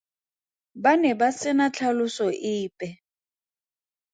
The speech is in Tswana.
Ba ne ba sena tlhaloso epe.